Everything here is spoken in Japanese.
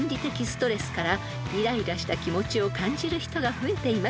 ストレスからイライラした気持ちを感じる人が増えています］